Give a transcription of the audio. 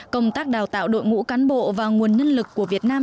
công tác đào tạo đội ngũ cán bộ và nguồn nhân lực của việt nam